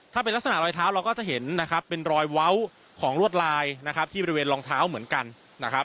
ถ้าเป็นลักษณะรอยเท้าเราก็จะเห็นนะครับเป็นรอยเว้าของลวดลายนะครับที่บริเวณรองเท้าเหมือนกันนะครับ